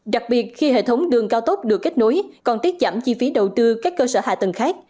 đặc biệt khi hệ thống đường cao tốc được kết nối còn tiết giảm chi phí đầu tư các cơ sở hạ tầng khác